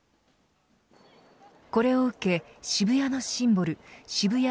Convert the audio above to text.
これを受け、渋谷のシンボル